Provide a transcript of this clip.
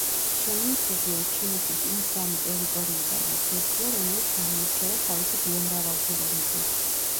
შენუნცზია ჩინეთის იმ სამი ტერიტორიიდან ერთ-ერთია, რომელიც გამოირჩევა თავისი ბიომრავალფეროვნებით.